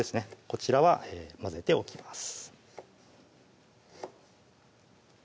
こちらは混ぜておきます